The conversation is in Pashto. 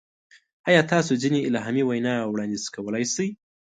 ایا تاسو ځینې الهامي وینا وړاندیز کولی شئ؟